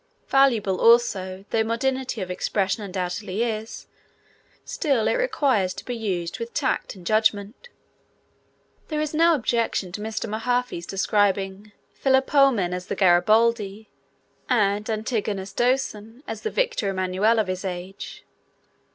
Valuable, also, though modernity of expression undoubtedly is, still it requires to be used with tact and judgment. There is no objection to Mr. Mahaffy's describing Philopoemen as the Garibaldi, and Antigonus Doson as the Victor Emmanuel of his age.